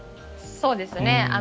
そうですね。